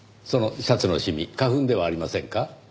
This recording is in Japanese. そのシャツの染み花粉ではありませんか？